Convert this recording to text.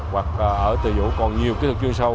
hoặc ở từ dũ còn nhiều kỹ thuật chuyên sâu